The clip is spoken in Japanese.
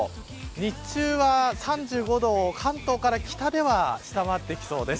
日中は３５度を関東から北では下回ってきそうです。